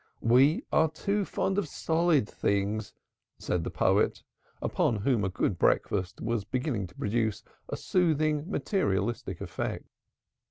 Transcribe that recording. We are too fond of solid things," said the poet, upon whom a good breakfast was beginning to produce a soothing materialistic effect.